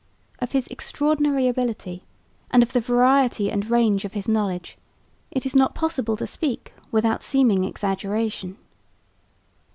Of his extraordinary ability, and of the variety and range of his knowledge, it is not possible to speak without seeming exaggeration.